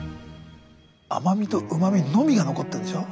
甘みとうまみのみが残ってるんでしょ？